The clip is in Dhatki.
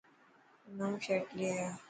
نئون شرٽ لي آءِ.